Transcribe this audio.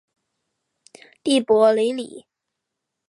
蒂珀雷里。